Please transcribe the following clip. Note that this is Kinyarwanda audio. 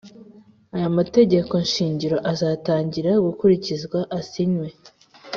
Aya mategeko shingiro azatangira gukurikizwa asinywe